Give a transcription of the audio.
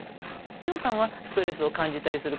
美穂さんはストレスを感じたりすることってある？